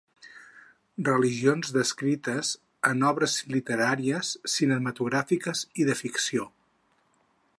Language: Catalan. Religions descrites en obres literàries, cinematogràfiques i de ficció.